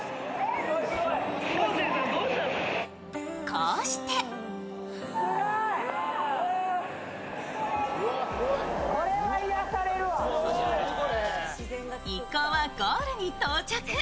こうして一行はゴールに到着。